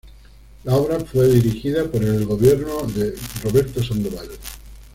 La obra fue dirigida por el gobierno de Roberto Sandoval.